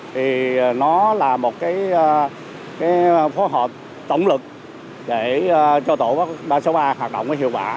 thì nó là một cái phối hợp tổng lực để cho tổ ba trăm sáu mươi ba hoạt động hiệu quả